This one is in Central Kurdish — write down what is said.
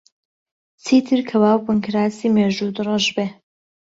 چیتر کەوا و بنکراسی مێژووت ڕەش بێ؟